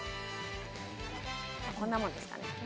こんなもんですかね